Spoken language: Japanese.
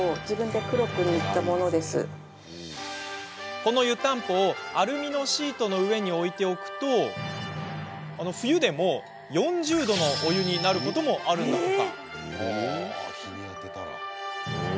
この湯たんぽをアルミのシートの上に置いておくと冬でも４０度のお湯になることもあるんだとか。